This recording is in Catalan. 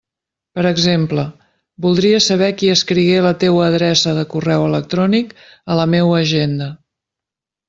Per exemple, voldria saber qui escrigué la teua adreça de correu electrònic a la meua agenda.